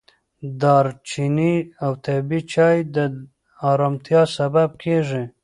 دارچیني او طبیعي چای د ارامتیا سبب کېږي.